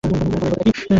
চলো এগোতে থাকি।